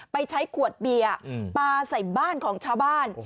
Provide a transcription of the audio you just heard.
ไปใช้ขวดเบียร์ปลาใส่บ้านของชาวบ้าน